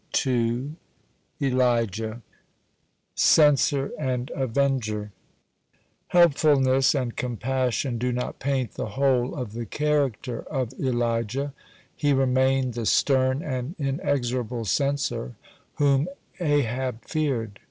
(62) CENSOR AND AVENGER Helpfulness and compassion do not paint the whole of the character of Elijah. He remained the stern and inexorable censor whom Ahab feared.